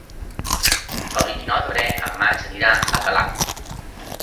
El vint-i-nou de febrer en Max anirà a Calaf.